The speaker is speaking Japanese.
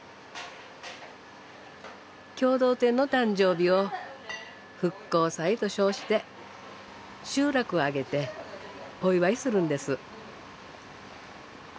共同店の誕生日を「復興祭」と称して集落挙げてお祝いするんです。